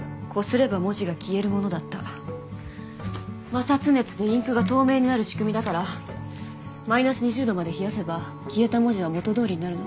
摩擦熱でインクが透明になる仕組みだからマイナス２０℃まで冷やせば消えた文字は元通りになるの。